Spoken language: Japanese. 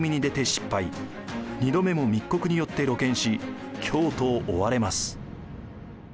２度目も密告によって露見し京都を追われます。